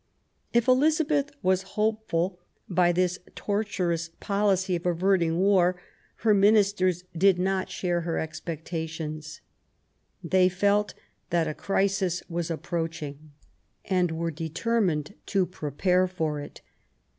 If Elizabeth was hopeful by this tortuous policy of averting war, her ministers did not share her expectation. They felt that a crisis was approaching and were determined to prepare for it.